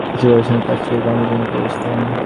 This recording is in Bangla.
তিনি পড়াশোনার পাট চুকিয়ে কর্মজীবনে প্রবেশ করেন।